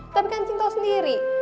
tapi kan cinta sendiri